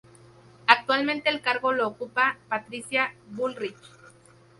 Actualmente el cargo lo ocupa Patricia Bullrich.